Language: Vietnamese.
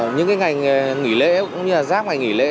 những ngày nghỉ lễ cũng như là giáp ngày nghỉ lễ